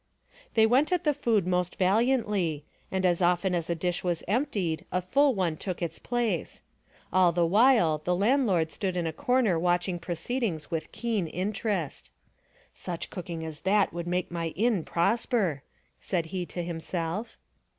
They went at the food most valiantly, and as often as a dish was emptied a full one took its place. All the while the landlord stood in a corner watching THE DONKEY, THE TABLE, AND THE STICK 295 proceedings with keen interest. " Such cooking as that would make my inn prosper," said he to himself.